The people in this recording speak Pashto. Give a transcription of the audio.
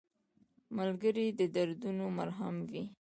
ملګری د دردونو مرهم وي